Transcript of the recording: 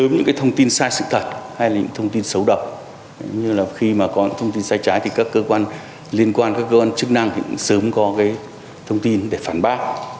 những thông tin xấu độc như là khi mà có thông tin sai trái thì các cơ quan liên quan các cơ quan chức năng thì sớm có cái thông tin để phản bác